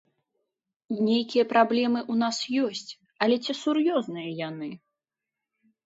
Нейкія праблемы ў нас ёсць, але ці сур'ёзныя яны!